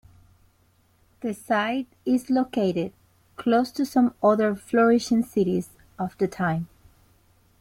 The site is located close to some other flourishing cities of the time.